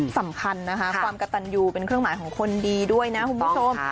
สำคัญนะคะความกระตันยูเป็นเครื่องหมายของคนดีด้วยนะคุณผู้ชม